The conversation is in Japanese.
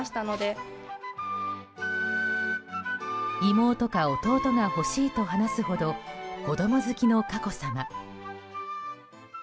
妹か弟が欲しいと話すほど子供好きの佳子さま。